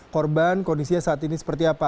korban kondisinya saat ini seperti apa